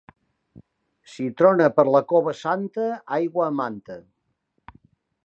Si trona per la Cova Santa, aigua a manta.